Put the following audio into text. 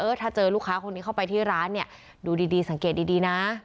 ถ้าเจอลูกค้าคนนี้เข้าไปที่ร้านเนี่ยดูดีสังเกตดีนะ